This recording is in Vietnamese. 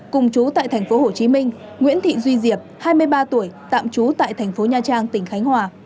cùng chú tại tp hcm nguyễn thị duy diệp hai mươi ba tuổi tạm chú tại tp nha trang tỉnh khánh hòa